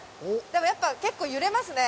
でもやっぱ結構揺れますね。